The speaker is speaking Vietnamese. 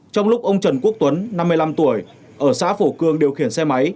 trong lúc ông trần quốc tuấn năm mươi năm tuổi ở xã phổ cường điều khiển xe máy